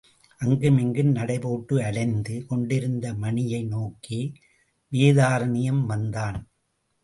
அங்குமிங்கும் நடை போட்டு அலைந்து கொண்டிருந்த மணியை நோக்கி வேதாரண்யம் வந்தான்.